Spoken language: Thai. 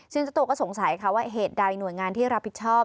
ซึ่งเจ้าตัวก็สงสัยค่ะว่าเหตุใดหน่วยงานที่รับผิดชอบ